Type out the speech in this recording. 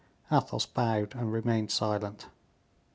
Athos bowed, and remained silent.